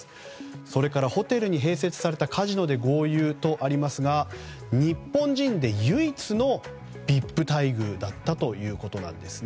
それから、ホテルに併設されたカジノで豪遊とありますが日本人で唯一のＶＩＰ待遇だったということです。